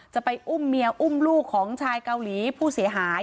จะไปอุ้มเมียอุ้มลูกของชายเกาหลีผู้เสียหาย